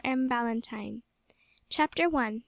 M. BALLANTYNE. CHAPTER ONE.